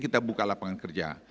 kita buka lapangan kerja